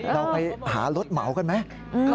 เราไปหารถเหมากันไหม